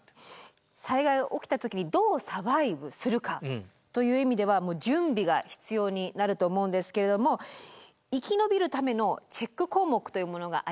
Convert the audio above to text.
災害が起きた時にどうサバイブするかという意味では準備が必要になると思うんですけれども生き延びるためのチェック項目というものがあります。